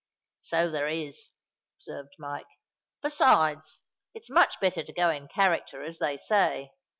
"So there is," observed Mike. "Besides, it's much better to go in character, as they say."